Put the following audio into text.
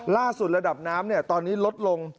ล่าสุดระดับน้ำตอนนี้ลดลง